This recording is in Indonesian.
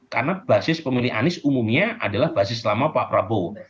karena basis pemilih anies umumnya adalah basis lama pak prabowo